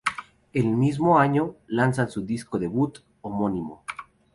El mismo año, lanzan su disco debut homónimo.